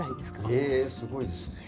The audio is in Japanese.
えすごいですね。